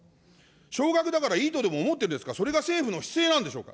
少額だからいいとでも思っているんですか、それが政府の姿勢なんでしょうか。